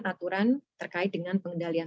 aturan terkait dengan pengendalian